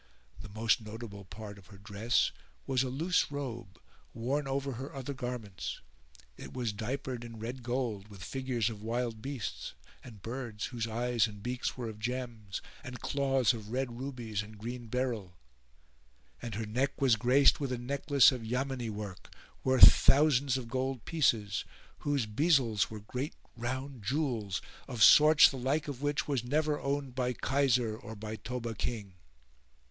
The most notable part of her dress was a loose robe worn over her other garments; it was diapered in red gold with figures of wild beasts, and birds whose eyes and beaks were of gems, and claws of red rubies and green beryl; and her neck was graced with a necklace of Yamani work, worth thousands of gold pieces, whose bezels were great round jewels of sorts, the like of which was never owned by Kaysar or by Tobba King.